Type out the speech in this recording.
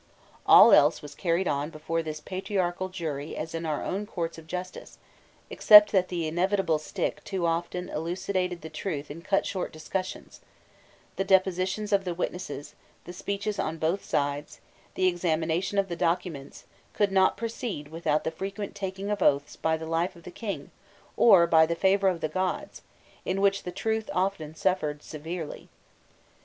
All else was carried on before this patriarchal jury as in our own courts of justice, except that the inevitable stick too often elucidated the truth and cut short discussions: the depositions of the witnesses, the speeches on both sides, the examination of the documents, could not proceed without the frequent taking of oaths "by the life of the king" or "by the favour of the gods," in which the truth often suffered severely.